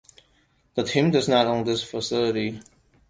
The team does not own this facility.